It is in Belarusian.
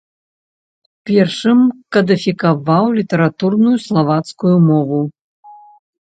Першым кадыфікаваў літаратурную славацкую мову.